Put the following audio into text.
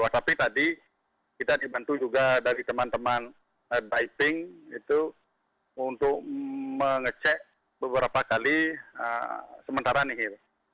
tapi tadi kita dibantu juga dari teman teman biping itu untuk mengecek beberapa kali sementara nihil